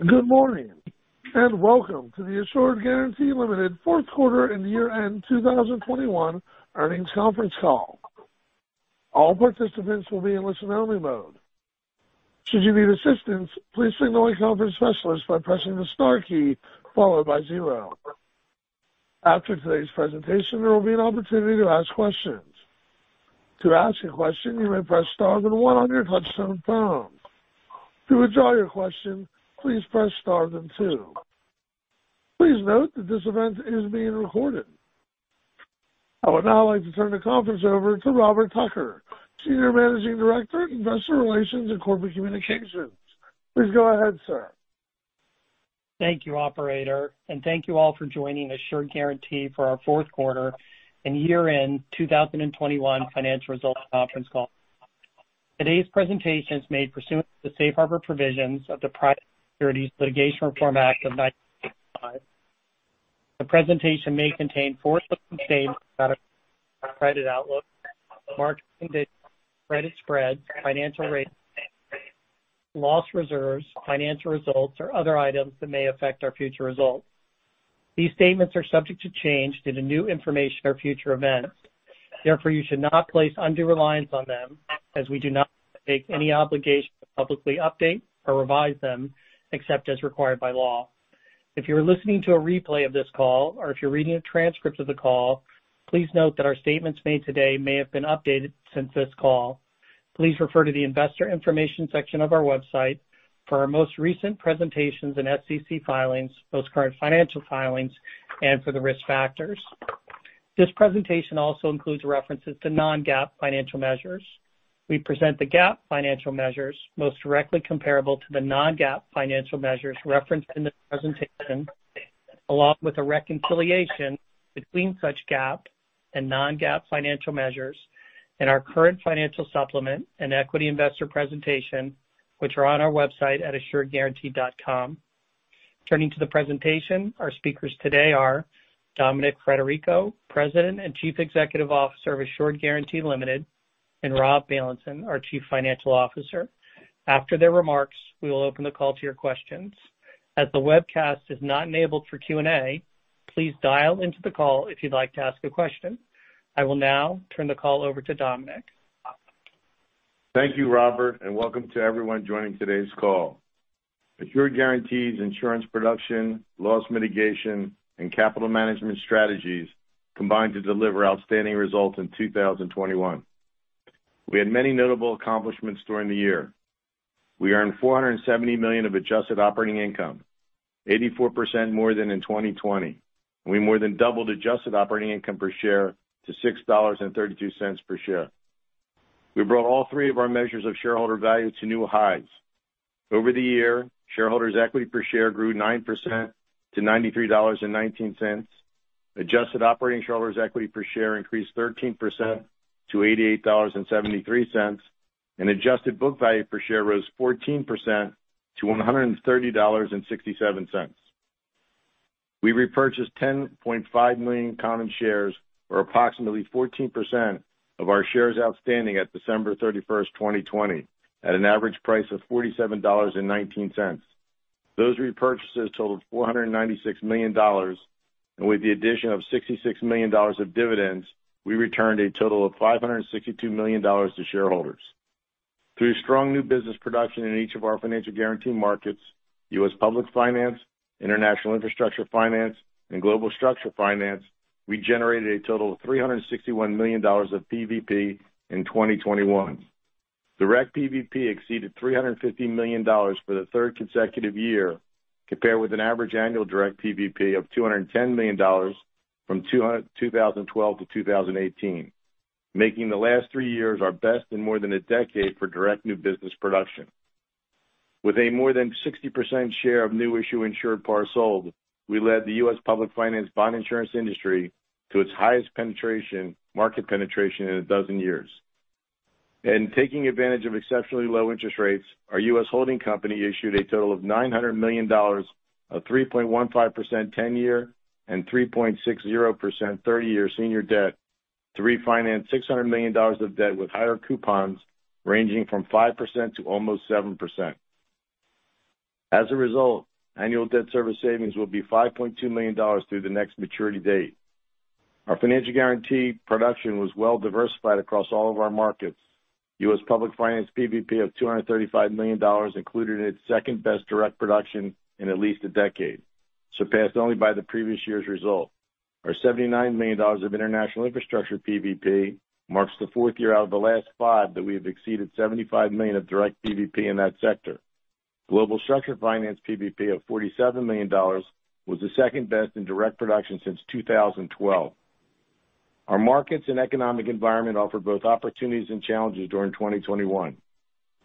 Good morning, and welcome to the Assured Guaranty Limited fourth quarter and year-end 2021 earnings conference call. All participants will be in listen-only mode. Should you need assistance, please signal a conference specialist by pressing the star key followed by zero. After today's presentation, there will be an opportunity to ask questions. To ask a question, you may press star then one on your touchtone phone. To withdraw your question, please press star then two. Please note that this event is being recorded. I would now like to turn the conference over to Robert Tucker, Senior Managing Director, Investor Relations and Corporate Communications. Please go ahead, sir. Thank you, operator, and thank you all for joining Assured Guaranty for our fourth quarter and year-end 2021 financial results conference call. Today's presentation is made pursuant to the safe harbor provisions of the Private Securities Litigation Reform Act of 1995. The presentation may contain forward-looking statements about our credit outlook, market conditions, credit spreads, financial rates, loss reserves, financial results, or other items that may affect our future results. These statements are subject to change due to new information or future events. Therefore, you should not place undue reliance on them as we do not take any obligation to publicly update or revise them except as required by law. If you're listening to a replay of this call or if you're reading a transcript of the call, please note that our statements made today may have been updated since this call. Please refer to the investor information section of our website for our most recent presentations and SEC filings, most current financial filings, and for the risk factors. This presentation also includes references to non-GAAP financial measures. We present the GAAP financial measures most directly comparable to the non-GAAP financial measures referenced in this presentation, along with a reconciliation between such GAAP and non-GAAP financial measures in our current financial supplement and equity investor presentation, which are on our website at assuredguaranty.com. Turning to the presentation, our speakers today are Dominic Frederico, President and Chief Executive Officer of Assured Guaranty Limited, and Rob Bailenson, our Chief Financial Officer. After their remarks, we will open the call to your questions. As the webcast is not enabled for Q&A, please dial into the call if you'd like to ask a question. I will now turn the call over to Dominic. Thank you, Robert, and welcome to everyone joining today's call. Assured Guaranty's insurance production, loss mitigation, and capital management strategies combined to deliver outstanding results in 2021. We had many notable accomplishments during the year. We earned $470 million of adjusted operating income, 84% more than in 2020. We more than doubled adjusted operating income per share to $6.32 per share. We brought all three of our measures of shareholder value to new highs. Over the year, shareholders' equity per share grew 9% to $93.19. Adjusted operating shareholders' equity per share increased 13% to $88.73, and adjusted book value per share rose 14% to $130.67. We repurchased 10.5 million common shares, or approximately 14% of our shares outstanding at December 31, 2020, at an average price of $47.19. Those repurchases totaled $496 million, and with the addition of $66 million of dividends, we returned a total of $562 million to shareholders. Through strong new business production in each of our financial guarantee markets, U.S. Public Finance, International Infrastructure Finance, and Global Structured Finance, we generated a total of $361 million of PVP in 2021. Direct PVP exceeded $350 million for the third consecutive year, compared with an average annual direct PVP of $210 million from 2012 to 2018, making the last three years our best in more than a decade for direct new business production. With a more than 60% share of new issue insured par sold, we led the U.S. Public Finance bond insurance industry to its highest penetration, market penetration in a dozen years. In taking advantage of exceptionally low interest rates, our U.S. holding company issued a total of $900 million of 3.15% 10-year and 3.60% 30-year senior debt to refinance $600 million of debt with higher coupons ranging from 5% to almost 7%. As a result, annual debt service savings will be $5.2 million through the next maturity date. Our financial guarantee production was well diversified across all of our markets. U.S. Public Finance PVP of $235 million included its second-best direct production in at least a decade, surpassed only by the previous year's result. Our $79 million of international infrastructure PVP marks the fourth year out of the last five that we have exceeded $75 million of direct PVP in that sector. Global Structured Finance PVP of $47 million was the second-best in direct production since 2012. Our markets and economic environment offered both opportunities and challenges during 2021.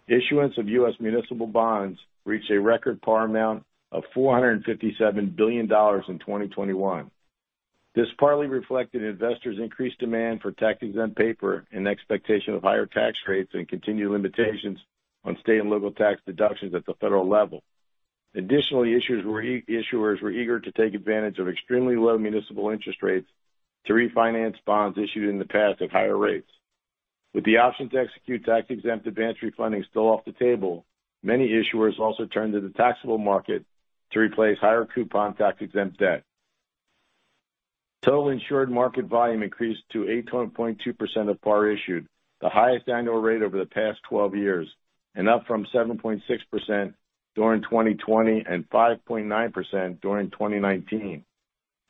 Issuance of U.S. municipal bonds reached a record par amount of $457 billion in 2021. This partly reflected investors' increased demand for tax-exempt paper in expectation of higher tax rates and continued limitations on state and local tax deductions at the federal level. Additionally, issuers were eager to take advantage of extremely low municipal interest rates to refinance bonds issued in the past at higher rates. With the option to execute tax-exempt advance refunding still off the table, many issuers also turned to the taxable market to replace higher coupon tax-exempt debt. Total insured market volume increased to 8.2% of par issued, the highest annual rate over the past 12 years, and up from 7.6% during 2020 and 5.9% during 2019.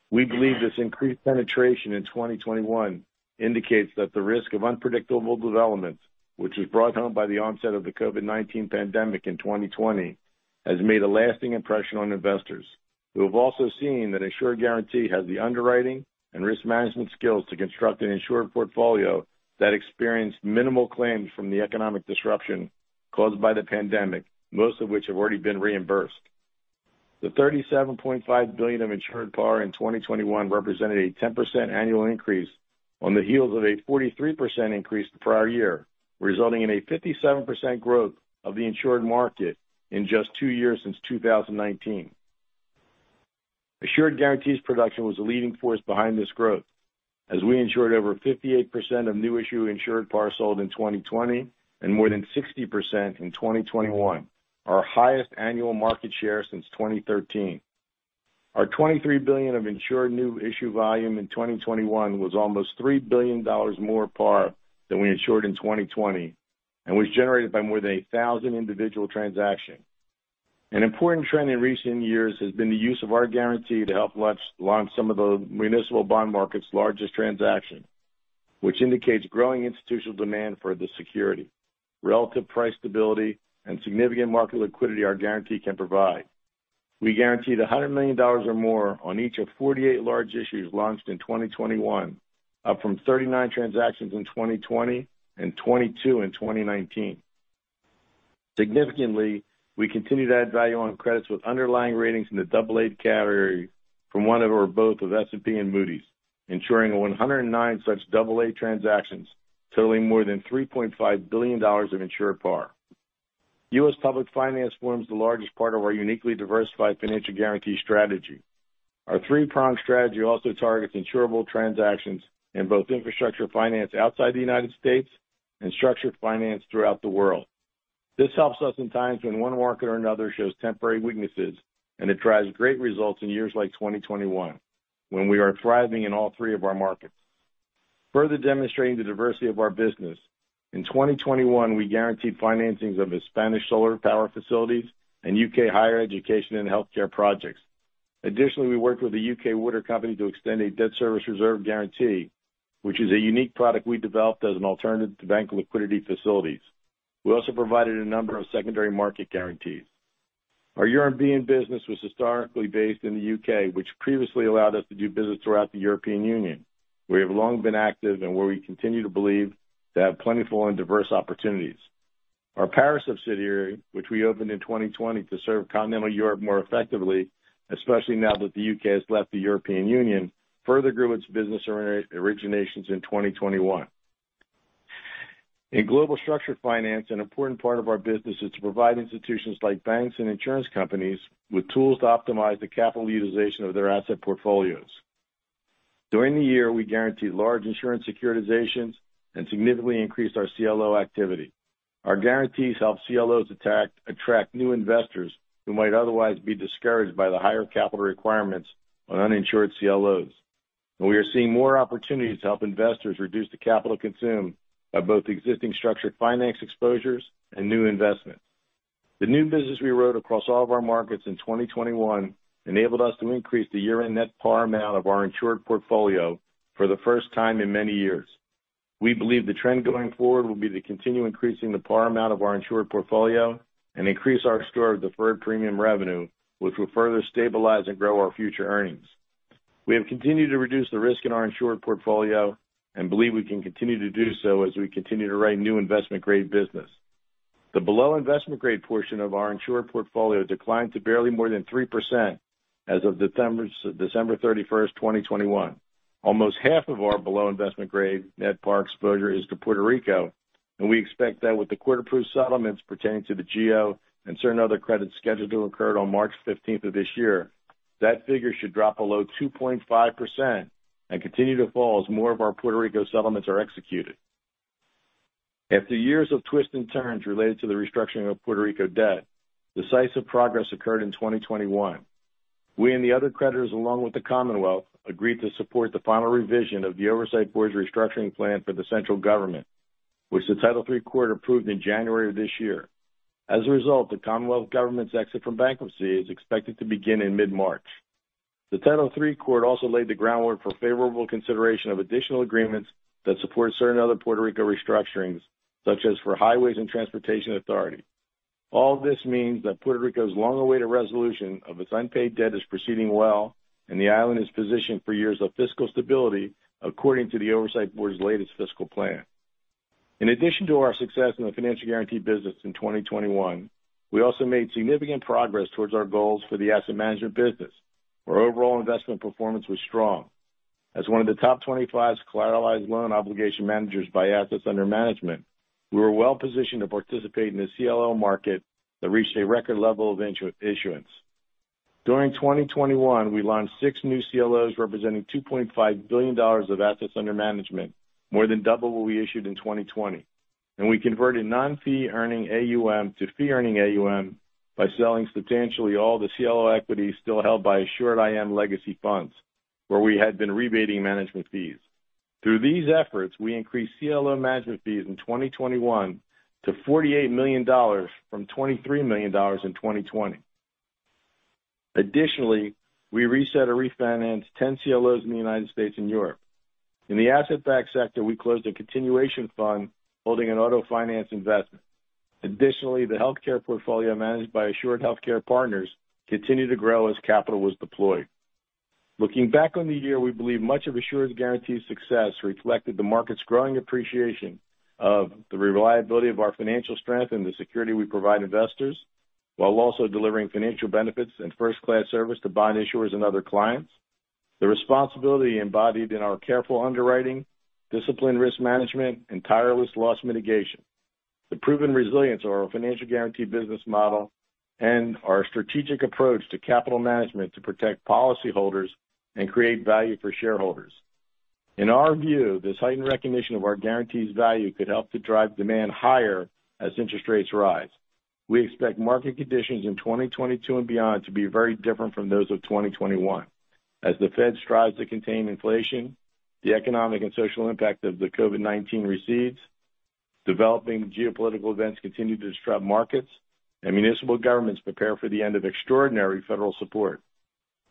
We believe this increased penetration in 2021 indicates that the risk of unpredictable developments, which was brought home by the onset of the COVID-19 pandemic in 2020 has made a lasting impression on investors, who have also seen that Assured Guaranty has the underwriting and risk management skills to construct an insured portfolio that experienced minimal claims from the economic disruption caused by the pandemic, most of which have already been reimbursed. The $37.5 billion of insured par in 2021 represented a 10% annual increase on the heels of a 43% increase the prior year, resulting in a 57% growth of the insured market in just two years since 2019. Assured Guaranty's production was a leading force behind this growth as we insured over 58% of new issue insured par sold in 2020 and more than 60% in 2021, our highest annual market share since 2013. Our $23 billion of insured new issue volume in 2021 was almost $3 billion more par than we insured in 2020, and was generated by more than 1,000 individual transactions. An important trend in recent years has been the use of our guarantee to help launch some of the municipal bond market's largest transactions, which indicates growing institutional demand for the security, relative price stability and significant market liquidity our guarantee can provide. We guaranteed $100 million or more on each of 48 large issues launched in 2021, up from 39 transactions in 2020 and 22 in 2019. Significantly, we continue to add value on credits with underlying ratings in the double-A category from one or both of S&P and Moody's, insuring 109 such double-A transactions totaling more than $3.5 billion of insured par. U.S. Public Finance forms the largest part of our uniquely diversified financial guarantee strategy. Our three-pronged strategy also targets insurable transactions in both infrastructure finance outside the United States and structured finance throughout the world. This helps us in times when one market or another shows temporary weaknesses, and it drives great results in years like 2021, when we are thriving in all three of our markets. Further demonstrating the diversity of our business, in 2021 we guaranteed financings of the Spanish solar power facilities and U.K. higher education and healthcare projects. Additionally, we worked with a U.K. water company to extend a debt service reserve guarantee, which is a unique product we developed as an alternative to bank liquidity facilities. We also provided a number of secondary market guarantees. Our European business was historically based in the U.K., which previously allowed us to do business throughout the European Union, where we have long been active and where we continue to believe to have plentiful and diverse opportunities. Our Paris subsidiary, which we opened in 2020 to serve continental Europe more effectively, especially now that the U.K. has left the European Union, further grew its business originations in 2021. In Global Structured Finance, an important part of our business is to provide institutions like banks and insurance companies with tools to optimize the capital utilization of their asset portfolios. During the year, we guaranteed large insurance securitizations and significantly increased our CLO activity. Our guarantees help CLOs attract new investors who might otherwise be discouraged by the higher capital requirements on uninsured CLOs. We are seeing more opportunities to help investors reduce the capital consumed by both existing structured finance exposures and new investments. The new business we wrote across all of our markets in 2021 enabled us to increase the year-end net par amount of our insured portfolio for the first time in many years. We believe the trend going forward will be to continue increasing the par amount of our insured portfolio and increase our stored deferred premium revenue, which will further stabilize and grow our future earnings. We have continued to reduce the risk in our insured portfolio and believe we can continue to do so as we continue to write new investment grade business. The below-investment-grade portion of our insured portfolio declined to barely more than 3% as of December 31, 2021. Almost half of our below-investment-grade net par exposure is to Puerto Rico, and we expect that with the court approved settlements pertaining to the GO and certain other credits scheduled to occur on March 15th of this year, that figure should drop below 2.5% and continue to fall as more of our Puerto Rico settlements are executed. After years of twists and turns related to the restructuring of Puerto Rico debt, decisive progress occurred in 2021. We and the other creditors, along with the Commonwealth, agreed to support the final revision of the Oversight Board's restructuring plan for the central government, which the Title III Court approved in January of this year. As a result, the Commonwealth government's exit from bankruptcy is expected to begin in mid-March. The Title III Court also laid the groundwork for favorable consideration of additional agreements that support certain other Puerto Rico restructurings, such as for Highways and Transportation Authority. All this means that Puerto Rico's long-awaited resolution of its unpaid debt is proceeding well and the island is positioned for years of fiscal stability according to the Oversight Board's latest fiscal plan. In addition to our success in the financial guaranty business in 2021, we also made significant progress towards our goals for the asset management business, where overall investment performance was strong. As one of the top 25 collateralized loan obligation managers by assets under management, we were well positioned to participate in the CLO market that reached a record level of issuance. During 2021, we launched six new CLOs representing $2.5 billion of assets under management, more than double what we issued in 2020. We converted non-fee-earning AUM to fee-earning AUM by selling substantially all the CLO equity still held by AssuredIM legacy funds, where we had been rebating management fees. Through these efforts, we increased CLO management fees in 2021 to $48 million from $23 million in 2020. Additionally, we reset or refinanced 10 CLOs in the United States and Europe. In the asset-backed sector, we closed a continuation fund holding an auto finance investment. Additionally, the healthcare portfolio managed by Assured Healthcare Partners continued to grow as capital was deployed. Looking back on the year, we believe much of Assured Guaranty's success reflected the market's growing appreciation of the reliability of our financial strength and the security we provide investors, while also delivering financial benefits and first-class service to bond issuers and other clients, the responsibility embodied in our careful underwriting, disciplined risk management, and tireless loss mitigation, the proven resilience of our financial guaranty business model, and our strategic approach to capital management to protect policyholders and create value for shareholders. In our view, this heightened recognition of our guaranty's value could help to drive demand higher as interest rates rise. We expect market conditions in 2022 and beyond to be very different from those of 2021. As the Fed strives to contain inflation, the economic and social impact of the COVID-19 recedes, developing geopolitical events continue to disrupt markets, and municipal governments prepare for the end of extraordinary federal support.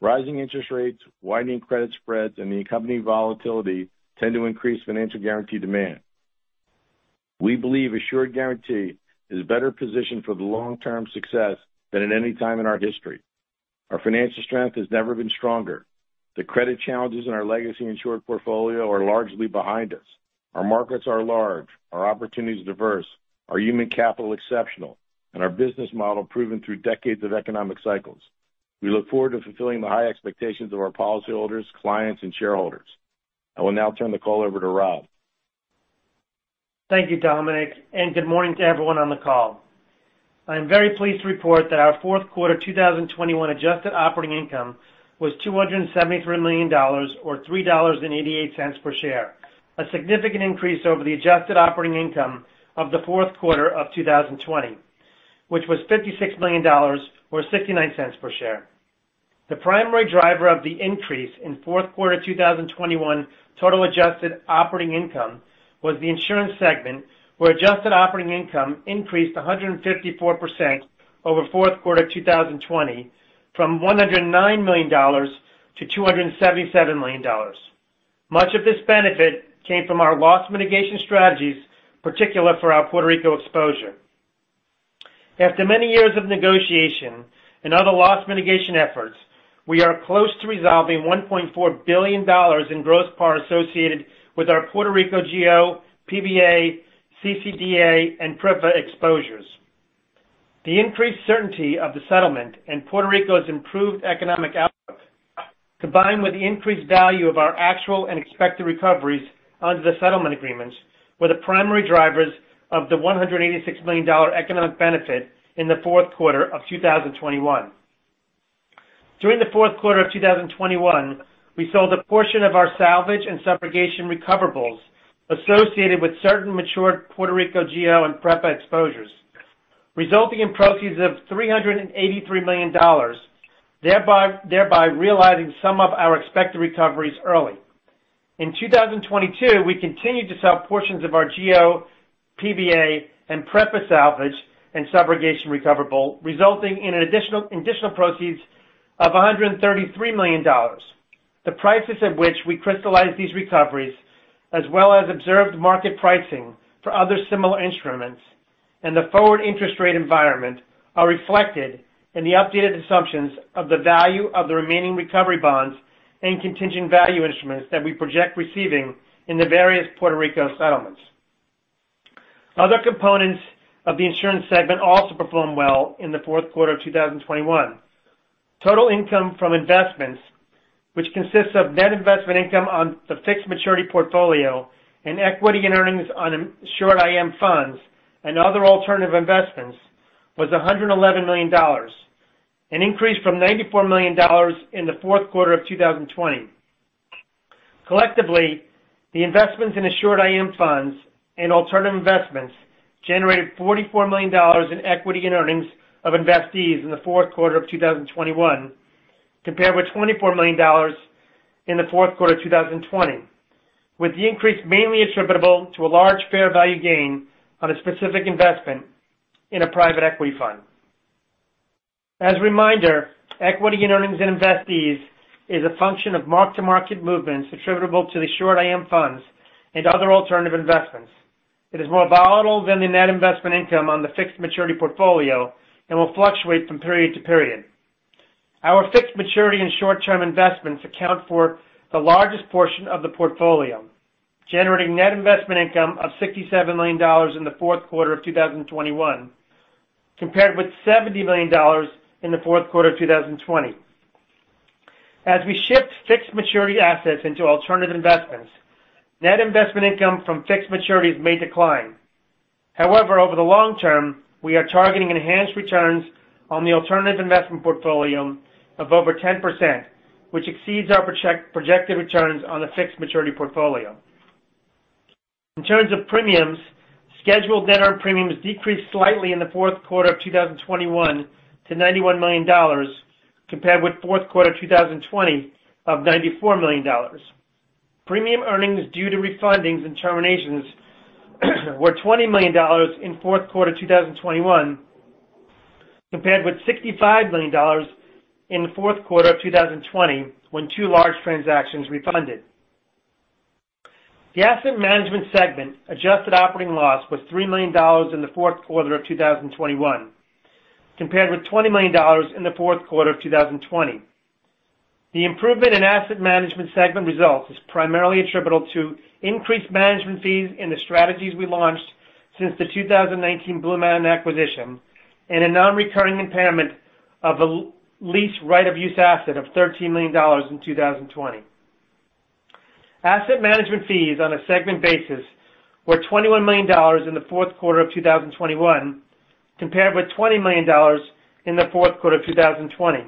Rising interest rates, widening credit spreads, and the accompanying volatility tend to increase financial guaranty demand. We believe Assured Guaranty is better positioned for the long-term success than at any time in our history. Our financial strength has never been stronger. The credit challenges in our legacy insured portfolio are largely behind us. Our markets are large, our opportunities diverse, our human capital exceptional, and our business model proven through decades of economic cycles. We look forward to fulfilling the high expectations of our policyholders, clients, and shareholders. I will now turn the call over to Rob. Thank you, Dominic, and good morning to everyone on the call. I am very pleased to report that our fourth quarter 2021 adjusted operating income was $273 million or $3.88 per share, a significant increase over the adjusted operating income of the fourth quarter of 2020, which was $56 million or $0.69 per share. The primary driver of the increase in fourth quarter 2021 total adjusted operating income was the insurance segment, where adjusted operating income increased 154% over fourth quarter 2020 from $109 million to $277 million. Much of this benefit came from our loss mitigation strategies, particularly for our Puerto Rico exposure. After many years of negotiation and other loss mitigation efforts, we are close to resolving $1.4 billion in gross par associated with our Puerto Rico GO, PBA, CCDA, and PREPA exposures. The increased certainty of the settlement and Puerto Rico's improved economic outlook, combined with the increased value of our actual and expected recoveries under the settlement agreements, were the primary drivers of the $186 million economic benefit in the fourth quarter of 2021. During the fourth quarter of 2021, we sold a portion of our salvage and subrogation recoverables associated with certain mature Puerto Rico GO and PREPA exposures, resulting in proceeds of $383 million, thereby realizing some of our expected recoveries early. In 2022, we continued to sell portions of our GO, PBA, and PREPA salvage and subrogation recoverable, resulting in additional proceeds of $133 million, the prices at which we crystallized these recoveries, as well as observed market pricing for other similar instruments, and the forward interest rate environment are reflected in the updated assumptions of the value of the remaining recovery bonds and contingent value instruments that we project receiving in the various Puerto Rico settlements. Other components of the insurance segment also performed well in the fourth quarter of 2021. Total income from investments, which consists of net investment income on the fixed maturity portfolio and equity and earnings on AssuredIM Funds and other alternative investments, was $111 million, an increase from $94 million in the fourth quarter of 2020. Collectively, the investments in AssuredIM Funds and alternative investments generated $44 million in equity and earnings of investees in the fourth quarter of 2021, compared with $24 million in the fourth quarter of 2020, with the increase mainly attributable to a large fair value gain on a specific investment in a private equity fund. As a reminder, equity and earnings in investees is a function of mark-to-market movements attributable to the AssuredIM Funds and other alternative investments. It is more volatile than the net investment income on the fixed maturity portfolio and will fluctuate from period to period. Our fixed maturity and short-term investments account for the largest portion of the portfolio, generating net investment income of $67 million in the fourth quarter of 2021, compared with $70 million in the fourth quarter of 2020. As we shift fixed maturity assets into alternative investments, net investment income from fixed maturities may decline. However, over the long term, we are targeting enhanced returns on the alternative investment portfolio of over 10%, which exceeds our projected returns on the fixed maturity portfolio. In terms of premiums, scheduled net earned premiums decreased slightly in the fourth quarter of 2021 to $91 million compared with fourth quarter 2020 of $94 million. Premium earnings due to refundings and terminations were $20 million in fourth quarter 2021 compared with $65 million in the fourth quarter of 2020 when two large transactions refunded. The asset management segment adjusted operating loss was $3 million in the fourth quarter of 2021 compared with $20 million in the fourth quarter of 2020. The improvement in asset management segment results is primarily attributable to increased management fees in the strategies we launched since the 2019 BlueMountain acquisition and a non-recurring impairment of a lease right-of-use asset of $13 million in 2020. Asset management fees on a segment basis were $21 million in the fourth quarter of 2021 compared with $20 million in the fourth quarter of 2020.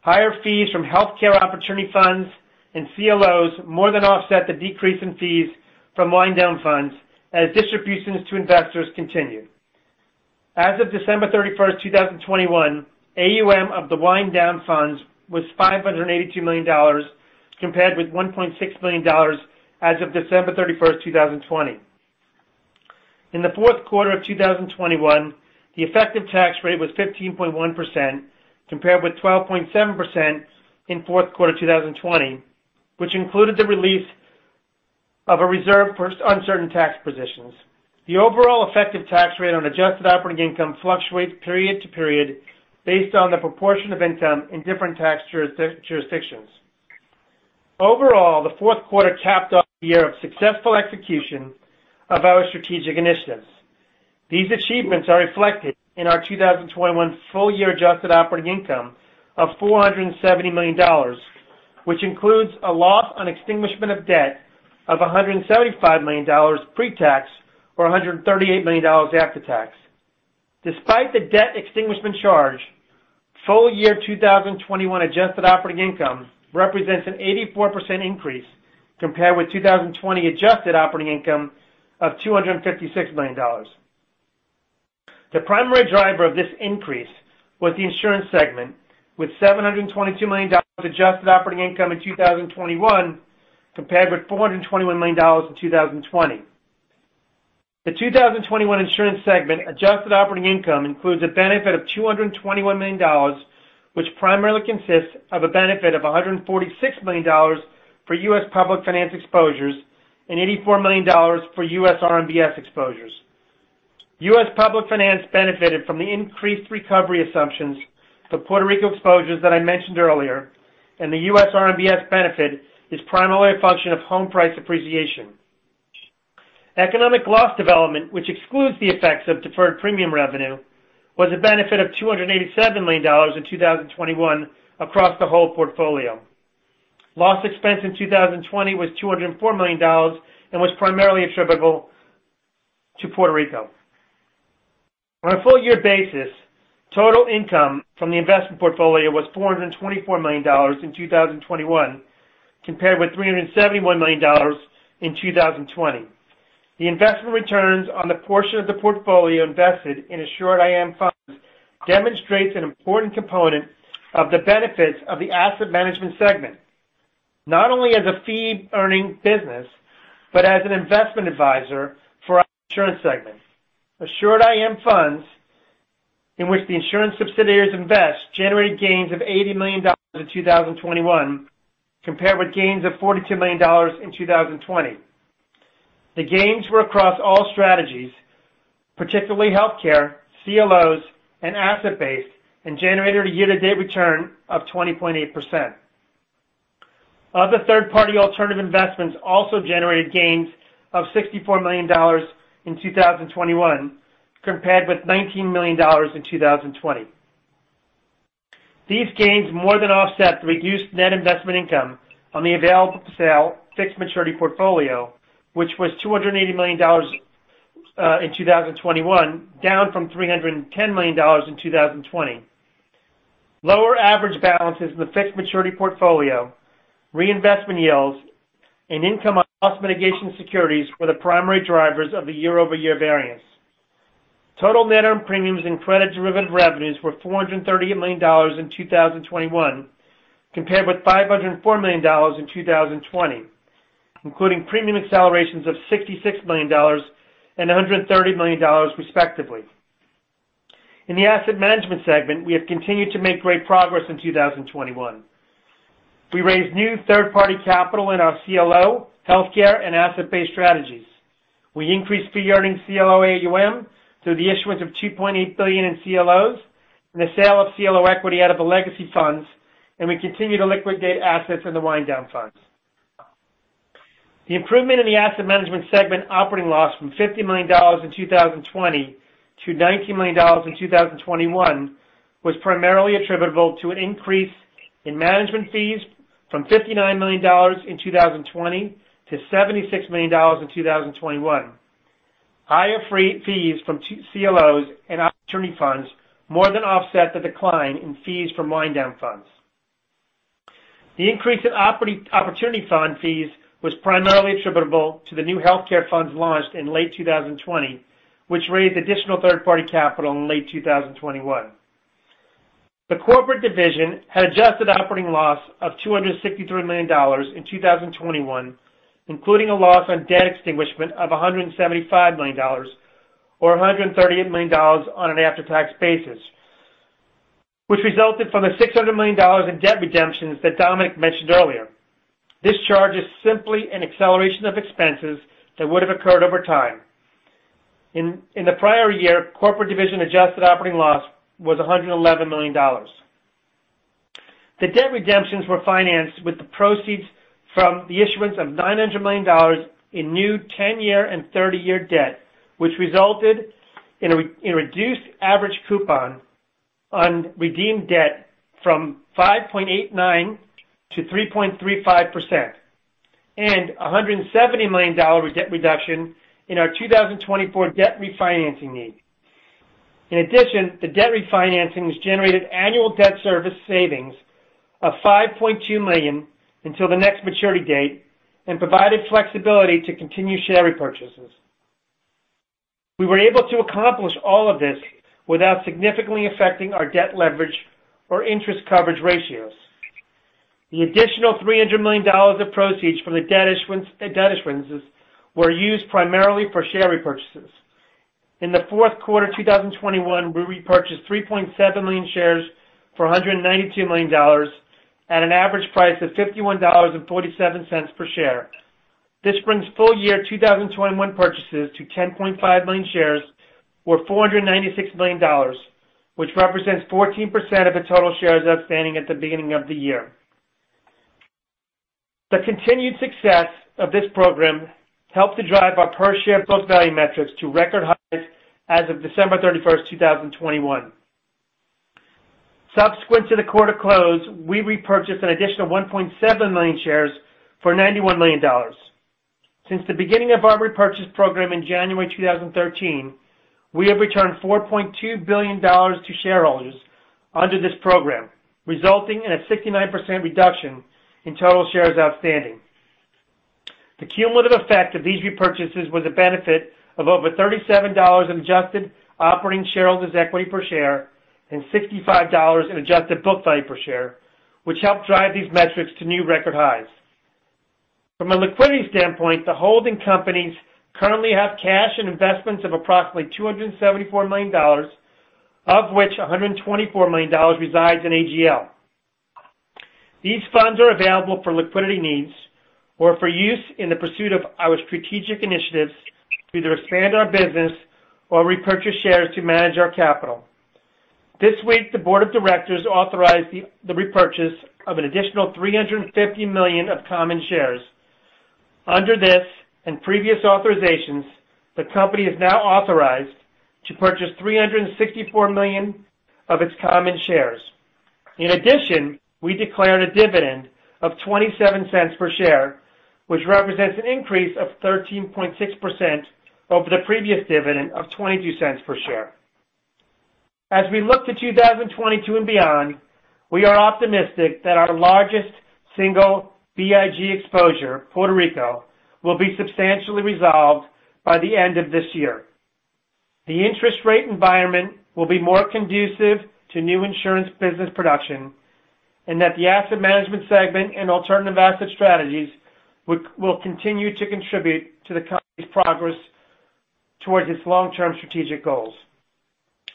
Higher fees from Healthcare Opportunity Funds and CLOs more than offset the decrease in fees from wind-down funds as distributions to investors continue. As of December 31, 2021, AUM of the wind-down funds was $582 million compared with $1.6 billion as of December 31, 2020. In the fourth quarter of 2021, the effective tax rate was 15.1% compared with 12.7% in fourth quarter 2020, which included the release of a reserve for uncertain tax positions. The overall effective tax rate on adjusted operating income fluctuates period to period based on the proportion of income in different tax jurisdictions. Overall, the fourth quarter capped off a year of successful execution of our strategic initiatives. These achievements are reflected in our 2021 full year adjusted operating income of $470 million, which includes a loss on extinguishment of debt of $175 million pre-tax, or $138 million after tax. Despite the debt extinguishment charge, full year 2021 adjusted operating income represents an 84% increase compared with 2020 adjusted operating income of $256 million. The primary driver of this increase was the insurance segment, with $722 million adjusted operating income in 2021 compared with $421 million in 2020. The 2021 insurance segment adjusted operating income includes a benefit of $221 million, which primarily consists of a benefit of $146 million for U.S. Public Finance exposures and $84 million for U.S. RMBS exposures. U.S. Public Finance benefited from the increased recovery assumptions for Puerto Rico exposures that I mentioned earlier, and the U.S. RMBS benefit is primarily a function of home price appreciation. Economic loss development, which excludes the effects of deferred premium revenue, was a benefit of $287 million in 2021 across the whole portfolio. Loss expense in 2020 was $204 million and was primarily attributable to Puerto Rico. On a full year basis, total income from the investment portfolio was $424 million in 2021 compared with $371 million in 2020. The investment returns on the portion of the portfolio invested in AssuredIM Funds demonstrates an important component of the benefits of the asset management segment, not only as a fee-earning business, but as an investment advisor for our insurance segment. AssuredIM Funds, in which the insurance subsidiaries invest, generated gains of $80 million in 2021 compared with gains of $42 million in 2020. The gains were across all strategies, particularly healthcare, CLOs, and asset-based, and generated a year-to-date return of 20.8%. Other third-party alternative investments also generated gains of $64 million in 2021 compared with $19 million in 2020. These gains more than offset the reduced net investment income on the available for sale fixed maturity portfolio, which was $280 million in 2021, down from $310 million in 2020. Lower average balances in the fixed maturity portfolio, reinvestment yields, and income on loss mitigation securities were the primary drivers of the year-over-year variance. Total net earned premiums and credit derivative revenues were $438 million in 2021 compared with $504 million in 2020, including premium accelerations of $66 million and $130 million, respectively. In the asset management segment, we have continued to make great progress in 2021. We raised new third-party capital in our CLO, healthcare, and asset-based strategies. We increased fee-earning CLO AUM through the issuance of $2.8 billion in CLOs and the sale of CLO equity out of the legacy funds, and we continued to liquidate assets in the wind-down funds. The improvement in the asset management segment operating loss from $50 million in 2020 to $19 million in 2021 was primarily attributable to an increase in management fees from $59 million in 2020 to $76 million in 2021. Higher fees from two CLOs and opportunity funds more than offset the decline in fees from wind-down funds. The increase in opportunity fund fees was primarily attributable to the new healthcare funds launched in late 2020, which raised additional third-party capital in late 2021. The Corporate Division had adjusted operating loss of $263 million in 2021, including a loss on debt extinguishment of $175 million or $138 million on an after-tax basis, which resulted from the $600 million in debt redemptions that Dominic mentioned earlier. This charge is simply an acceleration of expenses that would have occurred over time. In the prior year, Corporate Division adjusted operating loss was $111 million. The debt redemptions were financed with the proceeds from the issuance of $900 million in new 10-year and 30-year debt, which resulted in a reduced average coupon on redeemed debt from 5.89% to 3.35%, and a $170 million debt reduction in our 2024 debt refinancing need. In addition, the debt refinancing has generated annual debt service savings of $5.2 million until the next maturity date and provided flexibility to continue share repurchases. We were able to accomplish all of this without significantly affecting our debt leverage or interest coverage ratios. The additional $300 million of proceeds from the debt issuances were used primarily for share repurchases. In the fourth quarter 2021, we repurchased 3.7 million shares for $192 million at an average price of $51.47 per share. This brings full year 2021 purchases to 10.5 million shares or $496 million, which represents 14% of the total shares outstanding at the beginning of the year. The continued success of this program helped to drive our per share book value metrics to record highs as of December 31, 2021. Subsequent to the quarter close, we repurchased an additional 1.7 million shares for $91 million. Since the beginning of our repurchase program in January 2013, we have returned $4.2 billion to shareholders under this program, resulting in a 69% reduction in total shares outstanding. The cumulative effect of these repurchases was a benefit of over $37 in adjusted operating shareholders' equity per share and $65 in adjusted book value per share, which helped drive these metrics to new record highs. From a liquidity standpoint, the holding companies currently have cash and investments of approximately $274 million, of which $124 million resides in AGL. These funds are available for liquidity needs or for use in the pursuit of our strategic initiatives to either expand our business or repurchase shares to manage our capital. This week, the board of directors authorized the repurchase of an additional $350 million of common shares. Under this and previous authorizations, the company is now authorized to purchase $364 million of its common shares. In addition, we declared a dividend of $0.27 per share, which represents an increase of 13.6% over the previous dividend of $0.22 per share. As we look to 2022 and beyond, we are optimistic that our largest single BIG exposure, Puerto Rico, will be substantially resolved by the end of this year. The interest rate environment will be more conducive to new insurance business production, and that the asset management segment and alternative asset strategies will continue to contribute to the company's progress towards its long-term strategic goals.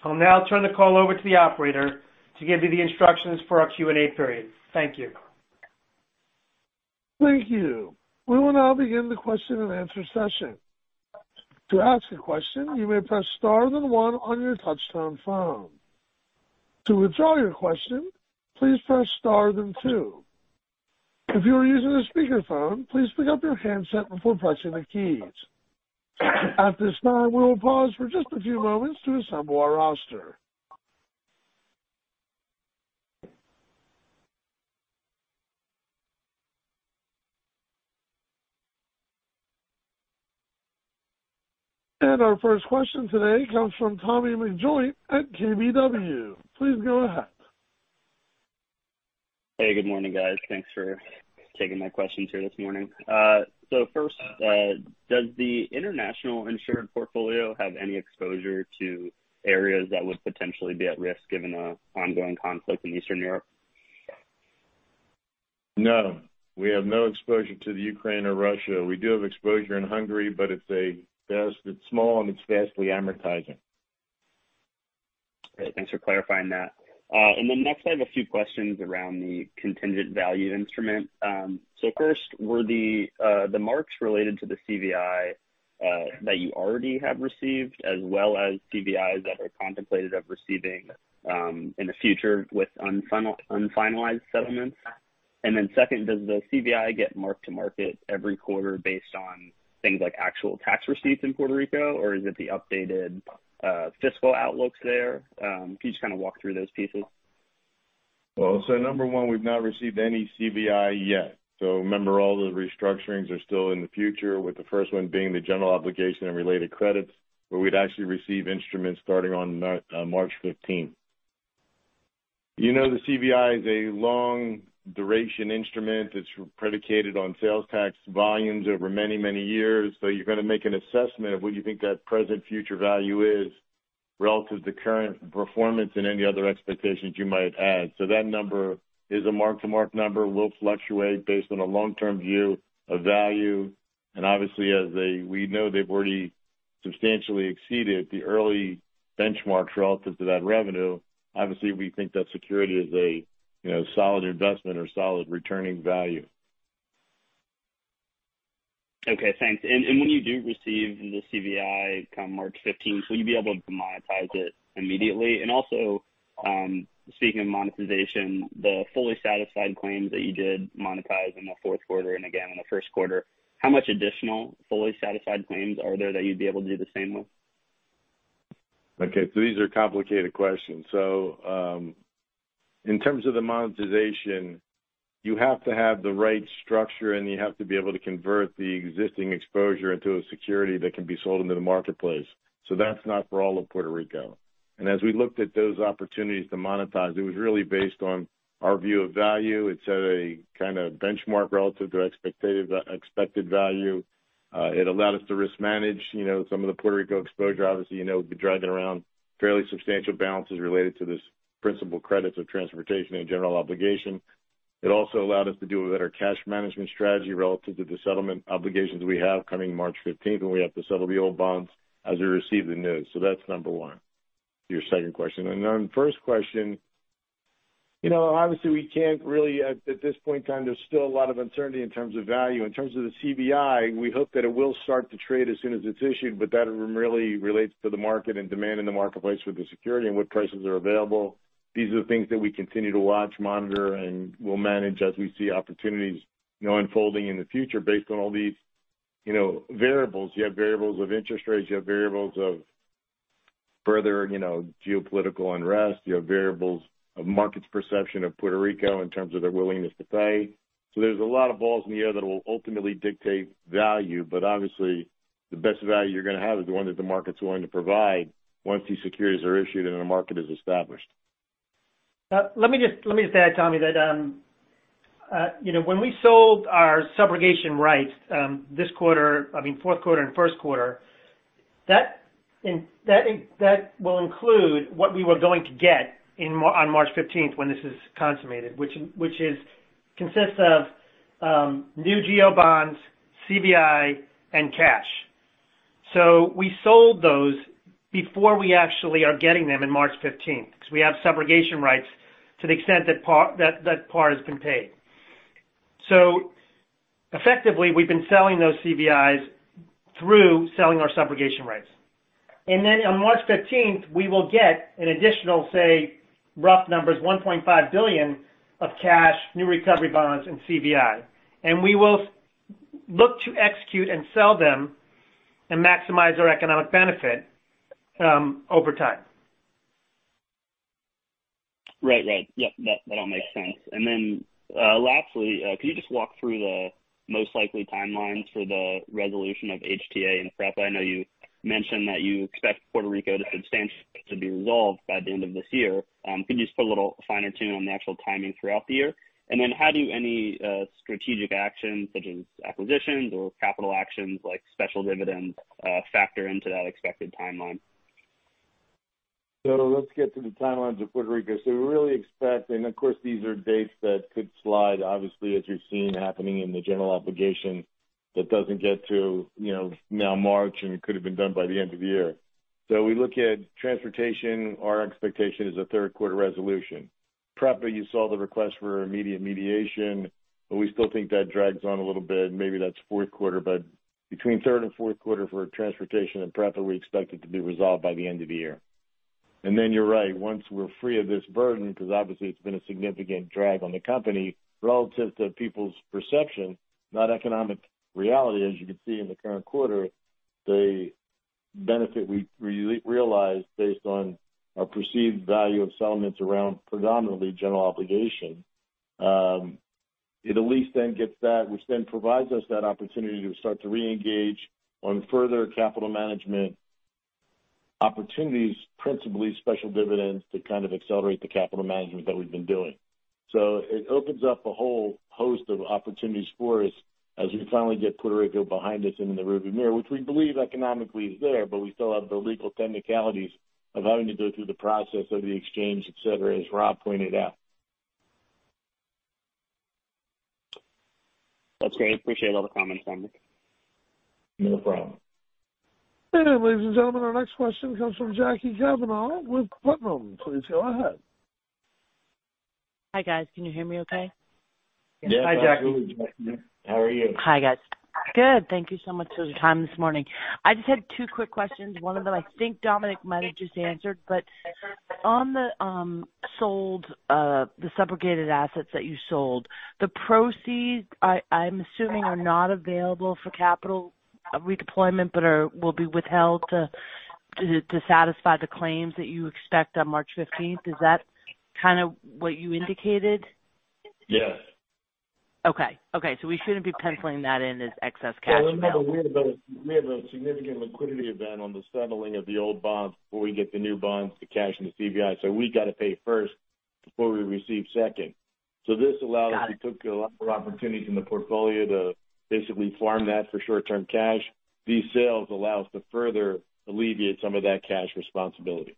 I'll now turn the call over to the operator to give you the instructions for our Q&A period. Thank you. Thank you. We will now begin the question and answer session. To ask a question, you may press star then one on your touchtone phone. To withdraw your question, please press star then two. If you are using a speaker phone, please pick up your handset before pressing the keys. At this time, we will pause for just a few moments to assemble our roster. Our first question today comes from Tommy McJoynt at KBW. Please go ahead. Hey, good morning, guys. Thanks for taking my questions here this morning. First, does the international insured portfolio have any exposure to areas that would potentially be at risk given the ongoing conflict in Eastern Europe? No. We have no exposure to the Ukraine or Russia. We do have exposure in Hungary, but it's small, and it's vastly amortizing. Great. Thanks for clarifying that. Next, I have a few questions around the contingent value instrument. So first, were the marks related to the CVI that you already have received as well as CVIs that are contemplated receiving in the future with unfinalized settlements. Second, does the CVI get marked to market every quarter based on things like actual tax receipts in Puerto Rico? Or is it the updated fiscal outlooks there? Can you just kind of walk through those pieces? Number one, we've not received any CVI yet. Remember all the restructurings are still in the future, with the first one being the General Obligation and related credits, where we'd actually receive instruments starting on March 15th. You know, the CVI is a long duration instrument. It's predicated on sales tax volumes over many, many years. You're gonna make an assessment of what you think that present future value is relative to current performance and any other expectations you might add. That number is a mark-to-market number. It will fluctuate based on a long-term view of value. Obviously, we know they've already substantially exceeded the early benchmarks relative to that revenue. Obviously, we think that security is a, you know, solid investment or solid returning value. Okay, thanks. When you do receive the CVI come March 15th, will you be able to monetize it immediately? Also, speaking of monetization, the fully satisfied claims that you did monetize in the fourth quarter and again in the first quarter, how much additional fully satisfied claims are there that you'd be able to do the same with? Okay. These are complicated questions. In terms of the monetization, you have to have the right structure, and you have to be able to convert the existing exposure into a security that can be sold into the marketplace. That's not for all of Puerto Rico. As we looked at those opportunities to monetize, it was really based on our view of value. It set a kinda benchmark relative to expected value. It allowed us to risk manage, you know, some of the Puerto Rico exposure. Obviously, you know, we've been dragging around fairly substantial balances related to this principal credits of Transportation and General Obligation. It also allowed us to do a better cash management strategy relative to the settlement obligations we have coming March 15th when we have to settle the old bonds as we receive the news. That's number one. Your second question. On first question, you know, obviously we can't really at this point in time, there's still a lot of uncertainty in terms of value. In terms of the CVI, we hope that it will start to trade as soon as it's issued, but that one really relates to the market and demand in the marketplace with the security and what prices are available. These are things that we continue to watch, monitor, and we'll manage as we see opportunities, you know, unfolding in the future based on all these, you know, variables. You have variables of interest rates. You have variables of further, you know, geopolitical unrest. You have variables of market's perception of Puerto Rico in terms of their willingness to pay. There's a lot of balls in the air that will ultimately dictate value, but obviously the best value you're gonna have is the one that the market's willing to provide once these securities are issued and the market is established. Let me add, Tommy, that you know, when we sold our subrogation rights this quarter, I mean, fourth quarter and first quarter, that will include what we were going to get on March 15th when this is consummated, which consists of new GO bonds, CVI, and cash. We sold those before we actually are getting them on March 15th, because we have subrogation rights to the extent that par has been paid. Effectively, we've been selling those CVIs through selling our subrogation rights. Then on March 15th, we will get an additional, say, rough numbers, $1.5 billion of cash, new recovery bonds, and CVI. We will look to execute and sell them and maximize our economic benefit over time. Right. Yep. That all makes sense. Lastly, can you just walk through the most likely timelines for the resolution of HTA and PREPA? I know you mentioned that you expect Puerto Rico substantially to be resolved by the end of this year. Can you just put a little fine tune on the actual timing throughout the year? How do any strategic actions such as acquisitions or capital actions like special dividends factor into that expected timeline? Let's get to the timelines of Puerto Rico. We really expect, and of course, these are dates that could slide, obviously, as you're seeing happening in the General Obligation that doesn't get to, you know, now March, and it could have been done by the end of the year. We look at Transportation. Our expectation is a third quarter resolution. PREPA, you saw the request for immediate mediation, but we still think that drags on a little bit. Maybe that's fourth quarter, but between third and fourth quarter for Transportation and PREPA, we expect it to be resolved by the end of the year. Then you're right. Once we're free of this burden, because obviously it's been a significant drag on the company relative to people's perception, not economic reality, as you can see in the current quarter, the benefit we realize based on our perceived value of settlements around predominantly General Obligation, it at least then gets that, which then provides us that opportunity to start to reengage on further capital management opportunities, principally special dividends to kind of accelerate the capital management that we've been doing. It opens up a whole host of opportunities for us as we finally get Puerto Rico behind us and in the rearview mirror, which we believe economically is there, but we still have the legal technicalities of having to go through the process of the exchange, et cetera, as Rob pointed out. That's great. I appreciate all the comments, Tommy. No problem. Ladies and gentlemen, our next question comes from Jackie Cavanaugh with Putnam. Please go ahead. Hi, guys. Can you hear me okay? Yeah. Hi, Jackie. How are you? Hi, guys. Good. Thank you so much for the time this morning. I just had two quick questions. One of them I think Dominic might have just answered, but on the sold subrogated assets that you sold, the proceeds, I'm assuming, are not available for capital redeployment but will be withheld to satisfy the claims that you expect on March 15th. Is that kind of what you indicated? Yes. Okay. We shouldn't be penciling that in as excess cash. Remember, we have a significant liquidity event on the settling of the old bonds before we get the new bonds to cash in the CVI. We got to pay first before we receive second. This allows- Got it. allows us to take a lot more opportunities in the portfolio to basically farm that for short-term cash. These sales allow us to further alleviate some of that cash responsibility.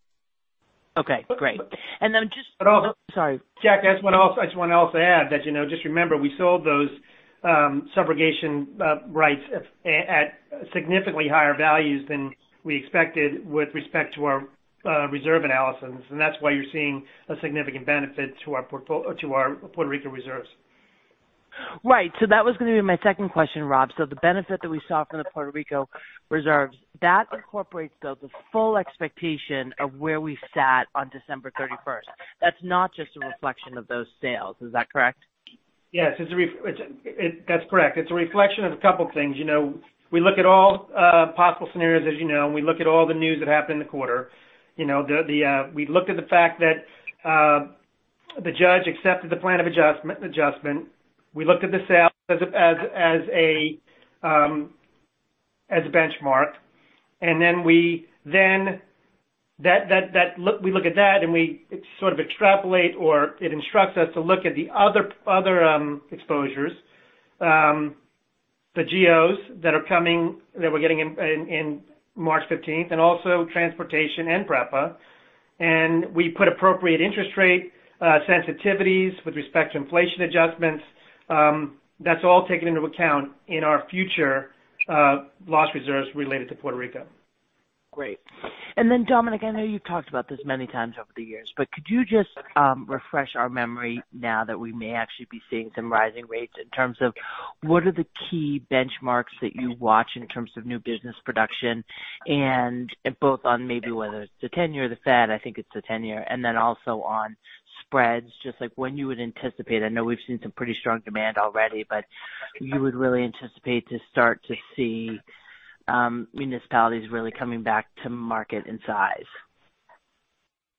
Okay, great. But also- Sorry. Jackie, I just want to add that, you know, just remember, we sold those subrogation rights at significantly higher values than we expected with respect to our reserve analysis. That's why you're seeing a significant benefit to our Puerto Rico reserves. Right. That was gonna be my second question, Rob. The benefit that we saw from the Puerto Rico reserves, that incorporates the full expectation of where we sat on December 31. That's not just a reflection of those sales, is that correct? Yes, that's correct. It's a reflection of a couple things. You know, we look at all possible scenarios, as you know, and we look at all the news that happened in the quarter. We look at the fact that the judge accepted the plan of adjustment. We looked at the sales as a benchmark. We look at that and we sort of extrapolate or it instructs us to look at the other exposures, the GOs that are coming that we're getting in March 15th, and also Transportation and PREPA. We put appropriate interest rate sensitivities with respect to inflation adjustments. That's all taken into account in our future loss reserves related to Puerto Rico. Great. Dominic, I know you've talked about this many times over the years, but could you just refresh our memory now that we may actually be seeing some rising rates in terms of what are the key benchmarks that you watch in terms of new business production and both on maybe whether it's the 10-year, the Fed, I think it's the 10-year, and then also on spreads, just like when you would anticipate? I know we've seen some pretty strong demand already, but you would really anticipate to start to see municipalities really coming back to market in size.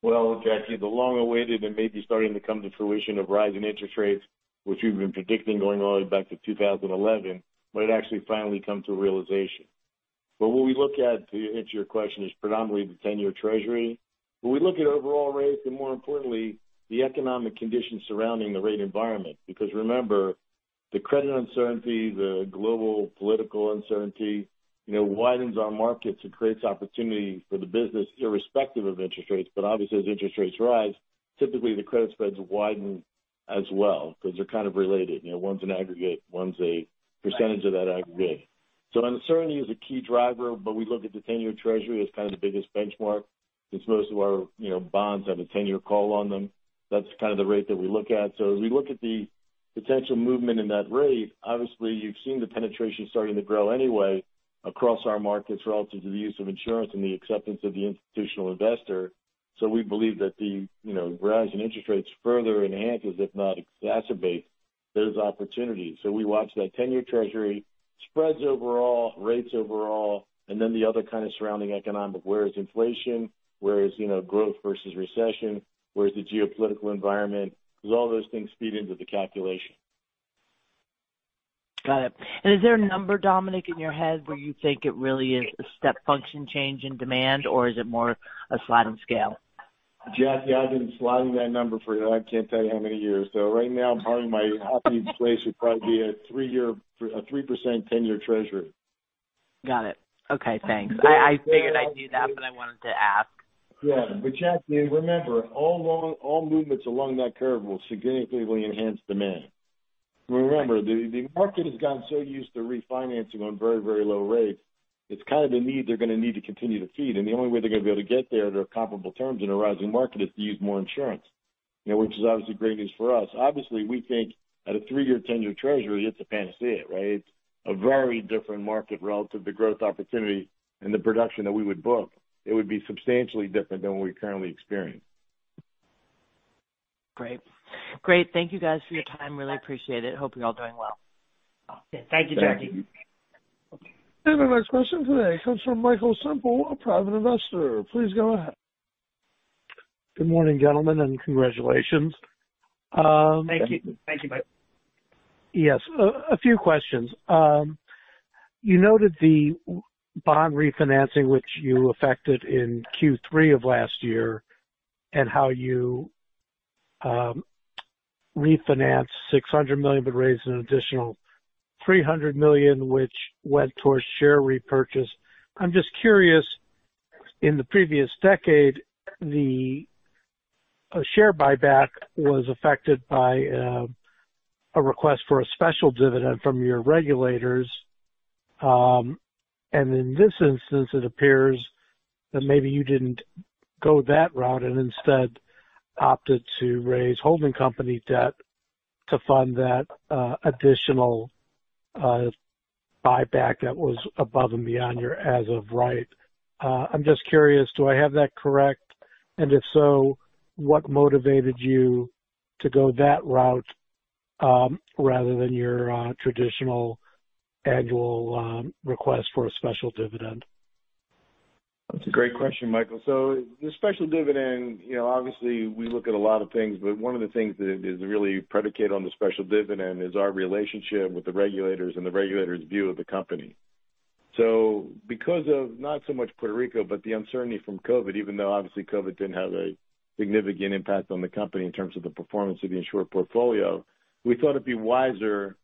Well, Jackie, the long-awaited and maybe starting to come to fruition of rising interest rates, which we've been predicting going all the way back to 2011, might actually finally come to realization. What we look at, to answer your question, is predominantly the 10-year Treasury. We look at overall rates and more importantly, the economic conditions surrounding the rate environment. Because remember, the credit uncertainty, the global political uncertainty, you know, widens our markets and creates opportunity for the business irrespective of interest rates. Obviously, as interest rates rise, typically the credit spreads widen as well because they're kind of related. You know, one's an aggregate, one's a percentage of that aggregate. Uncertainty is a key driver, but we look at the 10-year Treasury as kind of the biggest benchmark, since most of our, you know, bonds have a 10-year call on them. That's kind of the rate that we look at. As we look at the potential movement in that rate, obviously you've seen the penetration starting to grow anyway across our markets relative to the use of insurance and the acceptance of the institutional investor. We believe that the, you know, rise in interest rates further enhances, if not exacerbates, those opportunities. We watch that 10-year Treasury spreads overall, rates overall, and then the other kind of surrounding economic, where is inflation, where is, you know, growth versus recession, where is the geopolitical environment, because all those things feed into the calculation. Got it. Is there a number, Dominic, in your head where you think it really is a step function change in demand or is it more a slide on scale? Jackie, I've been sliding that number for I can't tell you how many years. Right now, probably my happy place would probably be a three-year, a 3% 10-year Treasury. Got it. Okay, thanks. I figured I'd do that, but I wanted to ask. Yeah. Jackie, remember, all along, all movements along that curve will significantly enhance demand. Remember, the market has gotten so used to refinancing on very, very low rates. It's kind of the need they're going to need to continue to feed. The only way they're going to be able to get there at a comparable terms in a rising market is to use more insurance. You know, which is obviously great news for us. Obviously, we think at a three-year, 10-year Treasury, it's a panacea, right? A very different market relative to growth opportunity and the production that we would book. It would be substantially different than what we currently experience. Great. Thank you guys for your time. Really appreciate it. Hope you're all doing well. Thank you, Jackie. Thank you. Our next question today comes from Michael Semple, a private investor. Please go ahead. Good morning, gentlemen, and congratulations. Thank you. Thank you, Mike. Yes, a few questions. You noted the new bond refinancing which you effected in Q3 of last year, and how you refinanced $600 million, but raised an additional $300 million, which went towards share repurchase. I'm just curious, in the previous decade, the share buyback was affected by a request for a special dividend from your regulators. In this instance, it appears that maybe you didn't go that route and instead opted to raise holding company debt to fund that additional buyback that was above and beyond your as of right. I'm just curious, do I have that correct? And if so, what motivated you to go that route rather than your traditional annual request for a special dividend? That's a great question, Michael. The special dividend, you know, obviously we look at a lot of things, but one of the things that is really predicated on the special dividend is our relationship with the regulators and the regulators' view of the company. Because of not so much Puerto Rico, but the uncertainty from COVID, even though obviously COVID didn't have a significant impact on the company in terms of the performance of the insured portfolio, we thought it'd be wiser,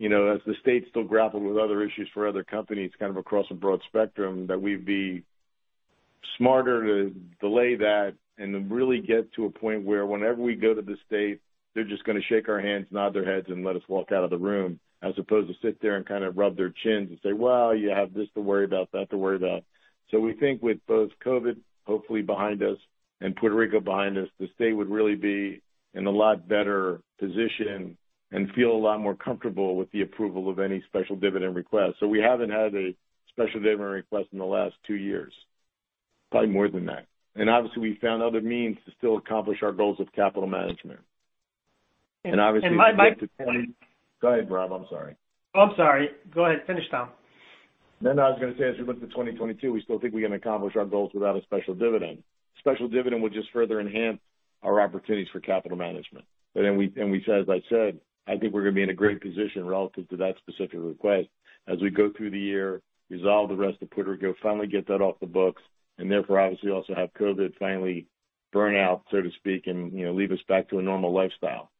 you know, as the state still grappled with other issues for other companies kind of across a broad spectrum, that we'd be smarter to delay that and then really get to a point where whenever we go to the state, they're just gonna shake our hands, nod their heads, and let us walk out of the room, as opposed to sit there and kind of rub their chins and say, "Well, you have this to worry about, that to worry about." We think with both COVID hopefully behind us and Puerto Rico behind us, the state would really be in a lot better position and feel a lot more comfortable with the approval of any special dividend request. We haven't had a special dividend request in the last two years, probably more than that. Obviously, we found other means to still accomplish our goals with capital management. And my- Go ahead, Rob. I'm sorry. Oh, I'm sorry. Go ahead. Finish, Dom. What I was gonna say, as we look to 2022, we still think we can accomplish our goals without a special dividend. Special dividend would just further enhance our opportunities for capital management. We said, as I said, I think we're gonna be in a great position relative to that specific request as we go through the year, resolve the rest of Puerto Rico, finally get that off the books, and therefore obviously also have COVID finally burn out, so to speak, and, you know, lead us back to a normal lifestyle.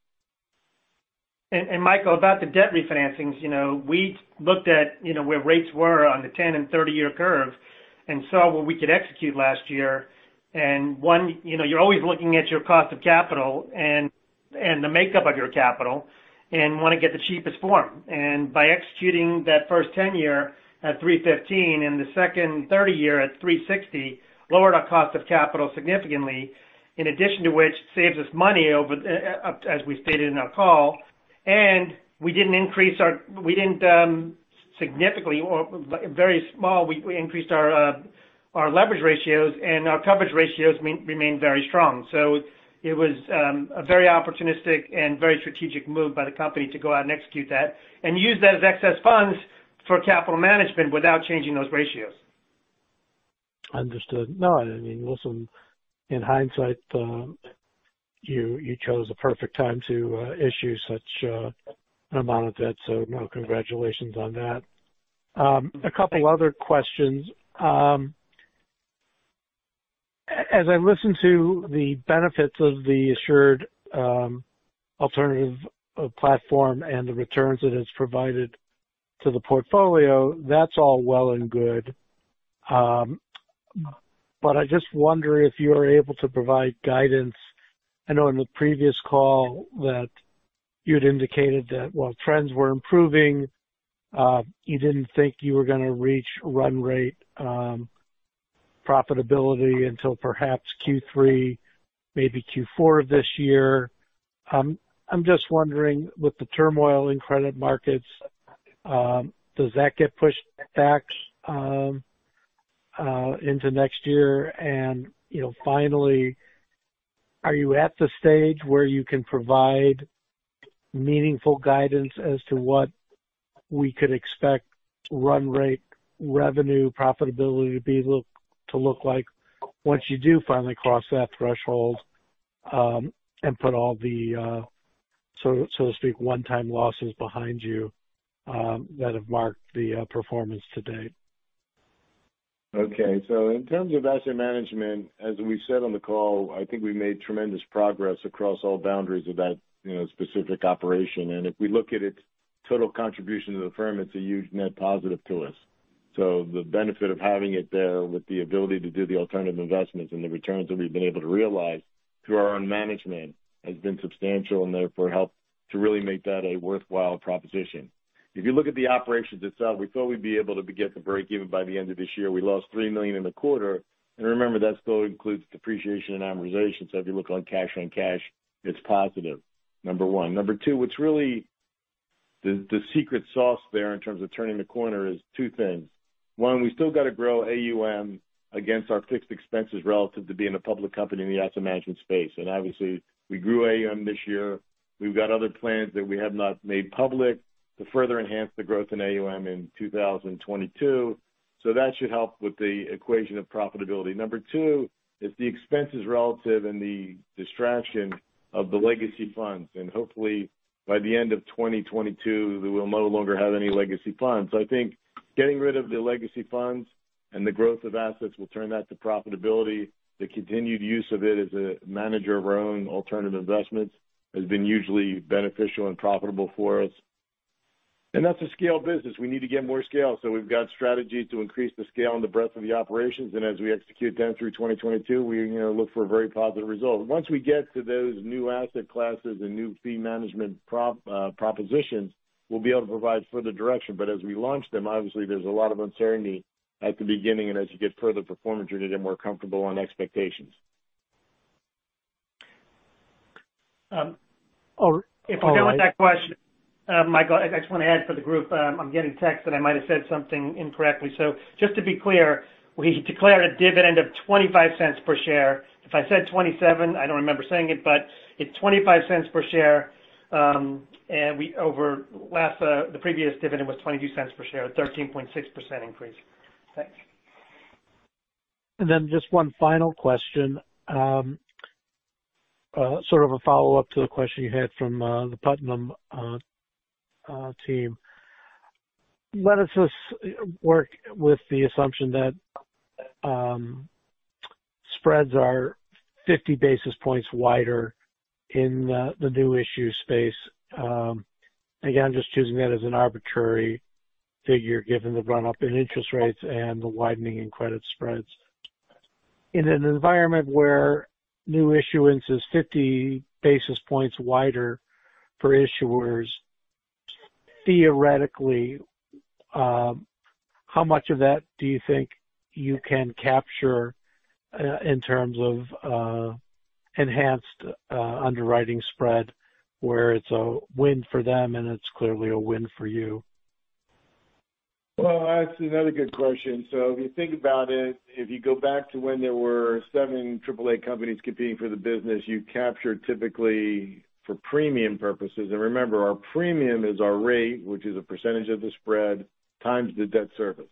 Michael, about the debt refinancings, you know, we looked at, you know, where rates were on the 10- and 30-year curve and saw what we could execute last year. One, you know, you're always looking at your cost of capital and the makeup of your capital and wanna get the cheapest form. By executing that first 10-year at 3.15% and the second 30-year at 3.60%, lowered our cost of capital significantly, in addition to which saves us money over, as we stated in our call, and we didn't increase our. We didn't significantly or very small, we increased our leverage ratios and our coverage ratios remain very strong. It was a very opportunistic and very strategic move by the company to go out and execute that and use that as excess funds for capital management without changing those ratios. Understood. No, I mean, listen, in hindsight, you chose a perfect time to issue such amount of debt, so no, congratulations on that. A couple other questions. As I listen to the benefits of the Assured alternative platform and the returns it has provided to the portfolio, that's all well and good. I just wonder if you're able to provide guidance. I know in the previous call that you had indicated that while trends were improving, you didn't think you were gonna reach run rate profitability until perhaps Q3, maybe Q4 of this year. I'm just wondering with the turmoil in credit markets, does that get pushed back into next year? You know, finally, are you at the stage where you can provide meaningful guidance as to what we could expect run rate revenue profitability to look like once you do finally cross that threshold, and put all the, so to speak, one-time losses behind you, that have marked the performance to date? Okay. In terms of asset management, as we said on the call, I think we made tremendous progress across all boundaries of that, you know, specific operation. If we look at its total contribution to the firm, it's a huge net positive to us. The benefit of having it there with the ability to do the alternative investments and the returns that we've been able to realize through our own management has been substantial and therefore helped to really make that a worthwhile proposition. If you look at the operations itself, we thought we'd be able to get to breakeven by the end of this year. We lost $3 million in the quarter. Remember, that still includes depreciation and amortization. If you look at cash on cash, it's positive, number one. Number two, what's really the secret sauce there in terms of turning the corner is two things. One, we still got to grow AUM against our fixed expenses relative to being a public company in the asset management space. Obviously, we grew AUM this year. We've got other plans that we have not made public to further enhance the growth in AUM in 2022. That should help with the equation of profitability. Number two is the expenses relative and the distraction of the legacy funds. Hopefully, by the end of 2022, we will no longer have any legacy funds. I think getting rid of the legacy funds and the growth of assets will turn that to profitability. The continued use of it as a manager of our own alternative investments has been usually beneficial and profitable for us. That's a scale business. We need to get more scale. We've got strategy to increase the scale and the breadth of the operations. As we execute them through 2022, we, you know, look for a very positive result. Once we get to those new asset classes and new fee management propositions, we'll be able to provide further direction. As we launch them, obviously there's a lot of uncertainty at the beginning, and as you get further performance, you're gonna get more comfortable on expectations. If we can. All right. With that question, Michael, I just wanna add for the group. I'm getting texts that I might have said something incorrectly. Just to be clear, we declare a dividend of $0.25 per share. If I said $0.27, I don't remember saying it, but it's $0.25 per share, and over the last, the previous dividend was $0.22 per share, a 13.6% increase. Thanks. Just one final question. Sort of a follow-up to the question you had from the Putnam team. Let us just work with the assumption that spreads are 50 basis points wider in the new issue space. Again, just choosing that as an arbitrary figure given the run-up in interest rates and the widening in credit spreads. In an environment where new issuance is 50 basis points wider for issuers, theoretically, how much of that do you think you can capture in terms of enhanced underwriting spread where it's a win for them and it's clearly a win for you? Well, that's another good question. If you think about it, if you go back to when there were seven triple-A companies competing for the business, you captured typically for premium purposes. Remember, our premium is our rate, which is a percentage of the spread times the debt service.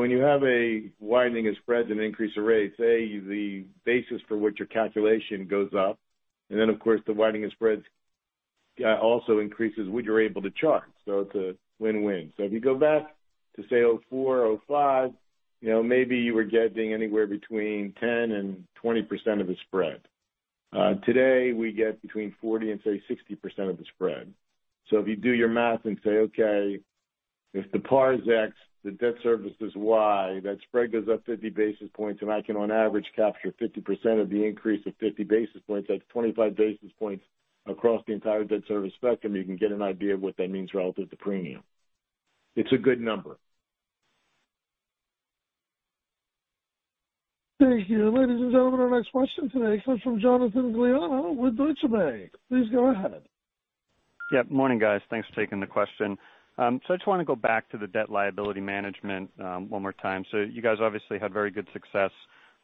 When you have a widening of spreads and increase the rates, the basis for which your calculation goes up, and then of course, the widening of spreads also increases what you're able to charge. It's a win-win. If you go back to say 2004, 2005, you know, maybe you were getting anywhere between 10%-20% of the spread. Today we get between 40%-60% of the spread. If you do your math and say, okay, if the par is X, the debt service is Y, that spread goes up 50 basis points, and I can on average capture 50% of the increase of 50 basis points, that's 25 basis points across the entire debt service spectrum, you can get an idea of what that means relative to premium. It's a good number. Thank you. Ladies and gentlemen, our next question today comes from Jonathan Glionna with Deutsche Bank. Please go ahead. Yeah, morning, guys. Thanks for taking the question. I just wanna go back to the debt liability management one more time. You guys obviously had very good success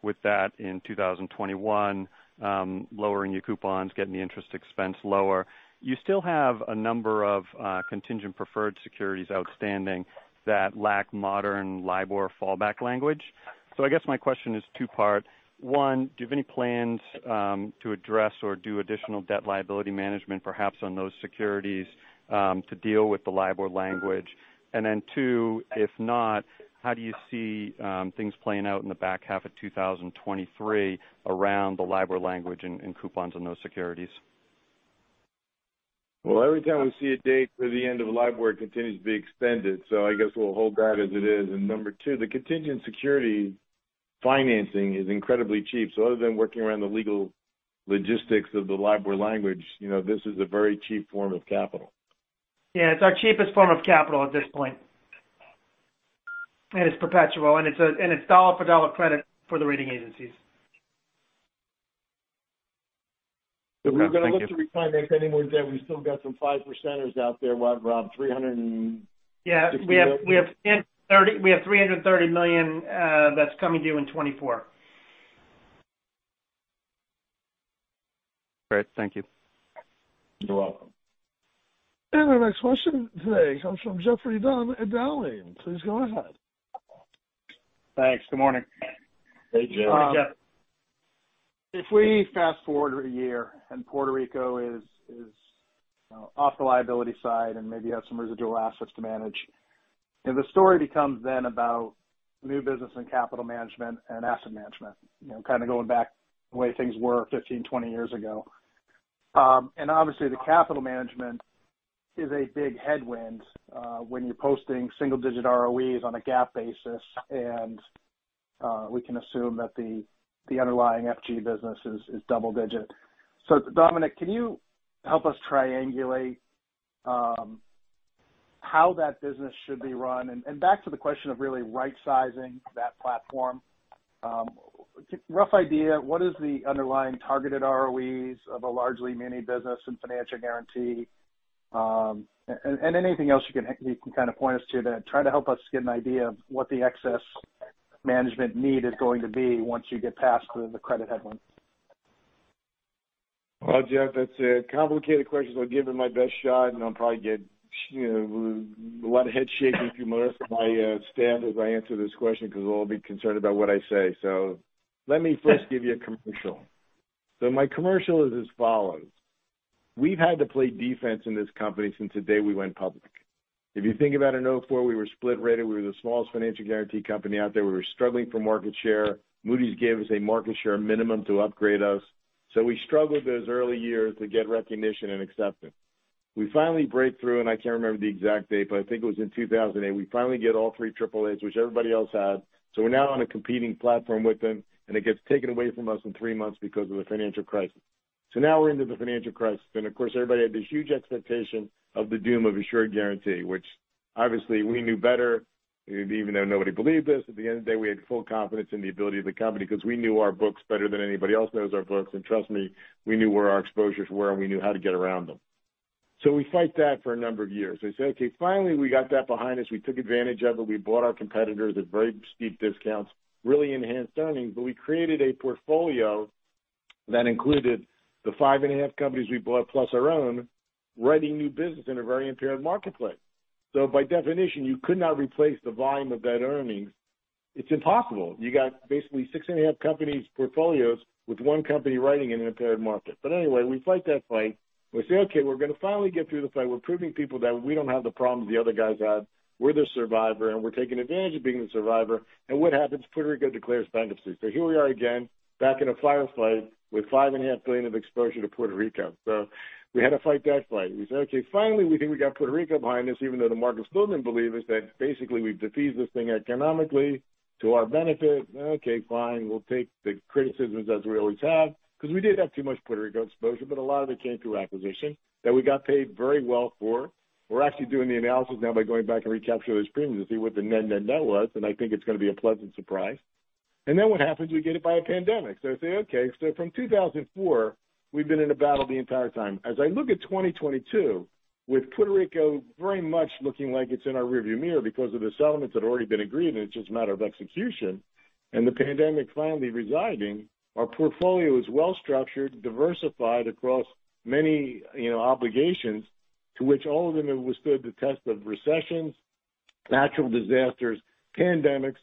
with that in 2021, lowering your coupons, getting the interest expense lower. You still have a number of contingent preferred securities outstanding that lack modern LIBOR fallback language. I guess my question is two-part. One, do you have any plans to address or do additional debt liability management perhaps on those securities to deal with the LIBOR language? And then two, if not, how do you see things playing out in the back half of 2023 around the LIBOR language and coupons on those securities? Well, every time we see a date for the end of LIBOR, it continues to be extended. I guess we'll hold that as it is. Number two, the contingent security financing is incredibly cheap. Other than working around the legal logistics of the LIBOR language, you know, this is a very cheap form of capital. Yeah, it's our cheapest form of capital at this point. It's perpetual, and it's dollar for dollar credit for the rating agencies. Okay. Thank you. We're gonna look to refinance any more debt. We still got some 5%ers out there. What, Rob? $360- Yeah. We have $330 million that's coming due in 2024. Great. Thank you. You're welcome. Our next question today comes from Geoffrey Dunn at Dowling & Partners. Please go ahead. Thanks. Good morning. Hey, Jeffrey. Jeff. If we fast-forward a year and Puerto Rico is, you know, off the liability side and maybe has some residual assets to manage. If the story becomes then about new business and capital management and asset management, you know, kind of going back the way things were 15, 20 years ago. Obviously the capital management is a big headwind when you're posting single-digit ROEs on a GAAP basis, and we can assume that the underlying FG business is double digit. Dominic, can you help us triangulate how that business should be run? Back to the question of really right-sizing that platform. Rough idea, what is the underlying targeted ROEs of a largely muni business and financial guaranty? Anything else you can kind of point us to that try to help us get an idea of what the excess management need is going to be once you get past the credit headwind. Well, Jeff, that's a complicated question, so I'll give it my best shot, and I'll probably get, you know, a lot of head shaking from most of my staff as I answer this question because they'll all be concerned about what I say. Let me first give you a commercial. My commercial is as follows. We've had to play defense in this company since the day we went public. If you think about in 2004, we were split-rated. We were the smallest financial guarantee company out there. We were struggling for market share. Moody's gave us a market share minimum to upgrade us. We struggled those early years to get recognition and acceptance. We finally break through, and I can't remember the exact date, but I think it was in 2008. We finally get all three triple As, which everybody else had. We're now on a competing platform with them, and it gets taken away from us in three months because of the financial crisis. Now we're into the financial crisis. Of course, everybody had this huge expectation of the doom of Assured Guaranty, which obviously we knew better, even though nobody believed this. At the end of the day, we had full confidence in the ability of the company because we knew our books better than anybody else knows our books. Trust me, we knew where our exposures were, and we knew how to get around them. We fight that for a number of years. We say, okay, finally we got that behind us. We took advantage of it. We bought our competitors at very steep discounts, really enhanced earnings. We created a portfolio that included the 5.5 companies we bought plus our own writing new business in a very impaired marketplace. By definition, you could not replace the volume of that earnings. It's impossible. You got basically 6.5 companies portfolios with one company writing in an impaired market. Anyway, we fight that fight. We say, okay, we're gonna finally get through the fight. We're proving to people that we don't have the problems the other guys have. We're the survivor, and we're taking advantage of being the survivor. What happens? Puerto Rico declares bankruptcy. Here we are again, back in a fire fight with $5.5 billion of exposure to Puerto Rico. We had to fight that fight. We said, okay, finally, we think we got Puerto Rico behind us, even though the market still didn't believe us, that basically we've defeated this thing economically to our benefit. Okay, fine. We'll take the criticisms as we always have, because we did have too much Puerto Rico exposure, but a lot of it came through acquisition that we got paid very well for. We're actually doing the analysis now by going back and recapture those premiums to see what the net, net was. I think it's gonna be a pleasant surprise. What happens? We get hit by a pandemic. I say, okay, so from 2004, we've been in a battle the entire time. As I look at 2022, with Puerto Rico very much looking like it's in our rearview mirror because of the settlements that already been agreed, and it's just a matter of execution. The pandemic finally residing. Our portfolio is well-structured, diversified across many, you know, obligations to which all of them have withstood the test of recessions, natural disasters, pandemics.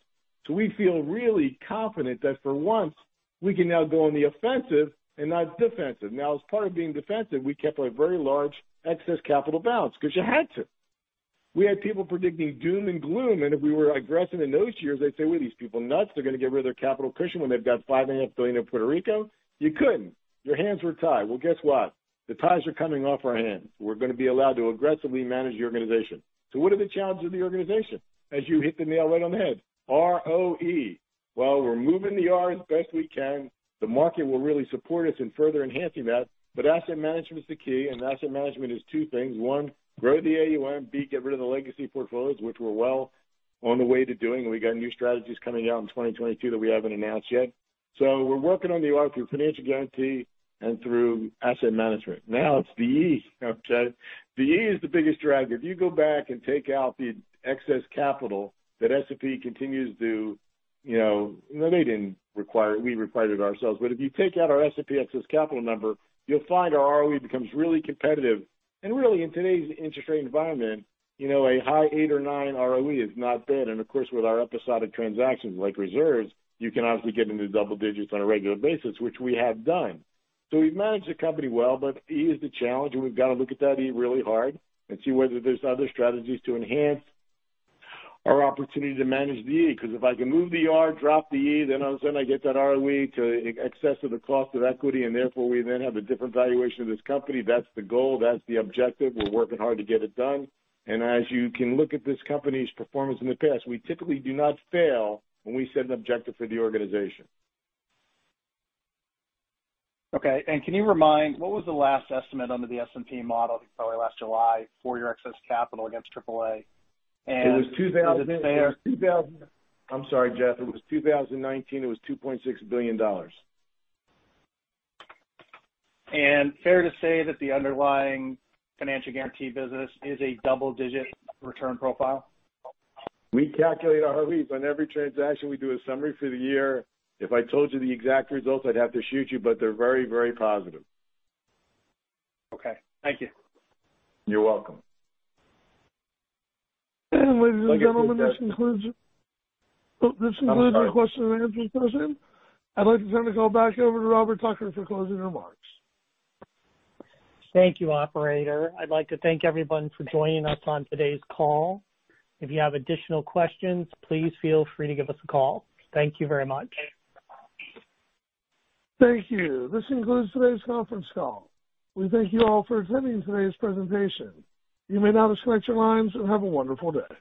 We feel really confident that for once, we can now go on the offensive and not defensive. Now, as part of being defensive, we kept a very large excess capital balance because you had to. We had people predicting doom and gloom, and if we were aggressive in those years, they'd say, "What, are these people nuts? They're gonna get rid of their capital cushion when they've got $5.5 billion in Puerto Rico?" You couldn't. Your hands were tied. Well, guess what? The ties are coming off our hands. We're gonna be allowed to aggressively manage the organization. What are the challenges of the organization? As you hit the nail right on the head, ROE. Well, we're moving the R as best we can. The market will really support us in further enhancing that. Asset management is the key, and asset management is two things. One, grow the AUM. B, get rid of the legacy portfolios, which we're well on the way to doing. We got new strategies coming out in 2022 that we haven't announced yet. We're working on the ROE through financial guaranty and through asset management. Now it's the E. Okay? The E is the biggest drag. If you go back and take out the excess capital that S&P continues to, you know. They didn't require it. We required it ourselves. If you take out our S&P excess capital number, you'll find our ROE becomes really competitive. Really, in today's interest rate environment, you know, a high eight or nine ROE is not bad. Of course, with our episodic transactions like reserves, you can obviously get into double digits on a regular basis, which we have done. We've managed the company well, but E is the challenge, and we've got to look at that E really hard and see whether there's other strategies to enhance our opportunity to manage the E. Because if I can move the R, drop the E, then all of a sudden I get that ROE to excess of the cost of equity, and therefore we then have a different valuation of this company. That's the goal. That's the objective. We're working hard to get it done. As you can look at this company's performance in the past, we typically do not fail when we set an objective for the organization. Okay. Can you remind what was the last estimate under the S&P model, probably last July, for your excess capital against triple-A? Is it fair- I'm sorry, Jeff. It was 2019. It was $2.6 billion. Fair to say that the underlying financial guaranty business is a double-digit return profile? We calculate our ROEs on every transaction. We do a summary for the year. If I told you the exact results, I'd have to shoot you, but they're very, very positive. Okay. Thank you. You're welcome. Ladies and gentlemen, this concludes. Thank you, Jeff. This concludes our question and answer session. I'd like to turn the call back over to Robert Tucker for closing remarks. Thank you, Operator. I'd like to thank everyone for joining us on today's call. If you have additional questions, please feel free to give us a call. Thank you very much. Thank you. This concludes today's conference call. We thank you all for attending today's presentation. You may now disconnect your lines and have a wonderful day.